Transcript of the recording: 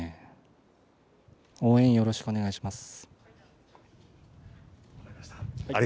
応援よろしくお願いします。